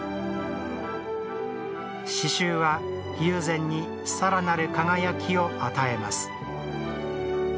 刺繍は、友禅にさらなる輝きを与えます。